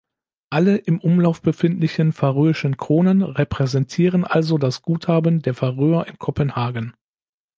Alle im Umlauf befindlichen färöischen Kronen repräsentieren also das Guthaben der Färöer in Kopenhagen.